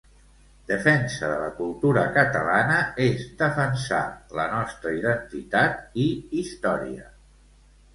Defensa de la cultura catalana és defensar la nostra identitat i història.